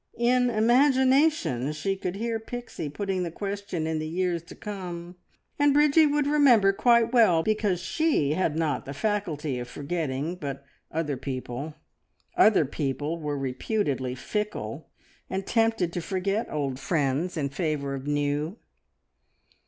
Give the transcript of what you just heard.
In imagination she could hear Pixie putting the question in the years to come, and Bridgie would remember quite well, because she had not the faculty of forgetting, but other people other people were reputedly fickle, and tempted to forget old friends in favour of new!